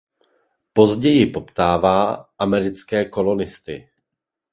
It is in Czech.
Později potkává americké kolonisty.